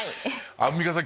アンミカさん